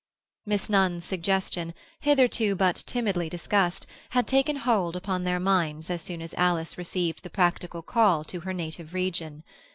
Miss Nunn's suggestion, hitherto but timidly discussed, had taken hold upon their minds as soon as Alice received the practical call to her native region.